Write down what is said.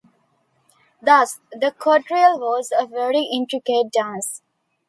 Thus the quadrille was a very intricate dance.